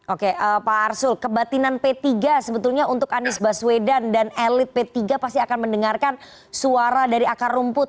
oke pak arsul kebatinan p tiga sebetulnya untuk anies baswedan dan elit p tiga pasti akan mendengarkan suara dari akar rumput